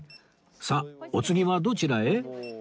さあお次はどちらへ？